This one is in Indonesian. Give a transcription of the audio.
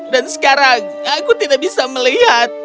dan sekarang aku tidak bisa melihat